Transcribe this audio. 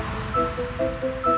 ini gue barang kau